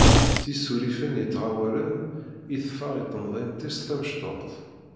S yisurrifen yettɣawalen i teffeɣ i temdint-is tamecṭuḥt.